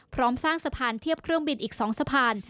พร้อมสร้างสะพานเทียบเครื่องบินอีก๒สะพาน